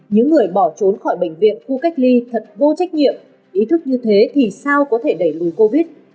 những người bỏ trốn khỏi bệnh viện khu cách ly thật vô trách nhiệm ý thức như thế thì sao có thể đẩy lùi covid